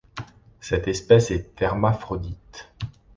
Cette espèce est hermaphrodite.